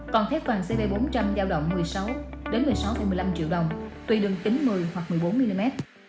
còn thép vàng cp bốn trăm linh giao động một mươi sáu một mươi sáu một mươi năm triệu đồng tùy đường kính một mươi hoặc một mươi bốn mm